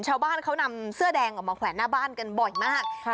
ชาวบ้านเขานำเสื้อแดงออกมาแขวนหน้าบ้านกันบ่อยมาก